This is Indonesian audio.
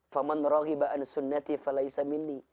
faman rohi baan sunnati falaysam inni